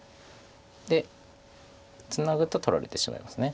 でツナぐと取られてしまいます。